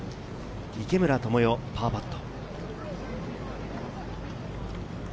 池村寛世、パーパット。